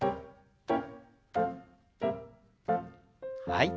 はい。